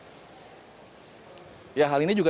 ya hal ini juga tadi saya tanyakan langsung